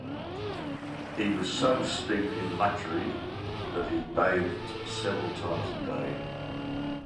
He was so steeped in luxury that he bathed several times a day.